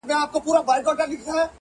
توپاني سوه ډوبېدو ته سوه تیاره!!